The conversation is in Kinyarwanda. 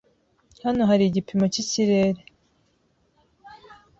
Hano hari igipimo cyikirere?